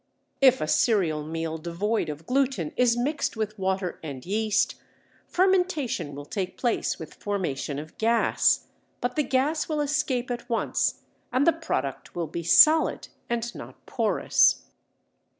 If a cereal meal devoid of gluten is mixed with water and yeast, fermentation will take place with formation of gas, but the gas will escape at once, and the product will be solid and not porous.